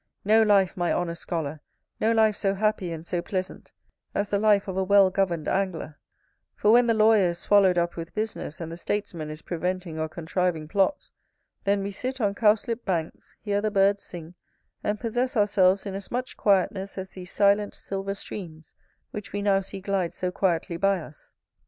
No life, my honest scholar, no life so happy and so pleasant as the life of a well governed angler; for when the lawyer is swallowed up with business, and the statesman is preventing or contriving plots, then we sit on cowslip banks, hear the birds sing, and possess ourselves in as much quietness as these silent silver streams, which we now see glide so quietly by us.